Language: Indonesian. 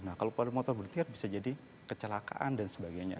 nah kalau motor berhenti bisa jadi kecelakaan dan sebagainya